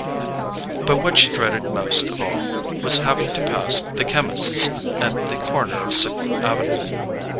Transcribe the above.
But what she dreaded most of all was having to pass the chemist's at the corner of Sixth Avenue.